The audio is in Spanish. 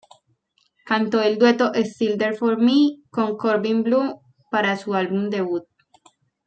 Cantó el dueto "Still There For Me" con Corbin Bleu para su álbum debut.